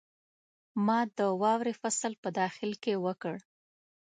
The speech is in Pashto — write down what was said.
ما د واورې فصل په داخل کې وکړ.